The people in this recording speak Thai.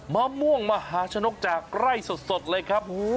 มะม่วงมหาชนกจากไร่สดเลยครับ